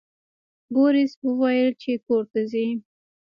بوریس وویل چې کور ته ځئ.